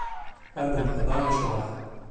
Ad neḥḍer i ccḍeḥ.